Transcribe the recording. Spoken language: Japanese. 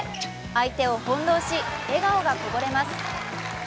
相手を翻弄し笑顔がこぼれます。